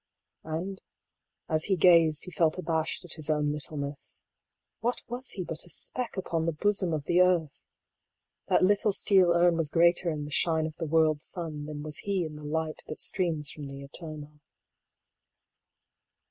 And as he gazed he felt abashed at his own little ness. What was he but a speck upon the bosom of the earth ? That little steel urn was greater in the shine of the world's sun than was he in the Light that streams from the Eternal.